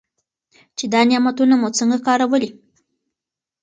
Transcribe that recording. چې دا نعمتونه مو څنګه کارولي.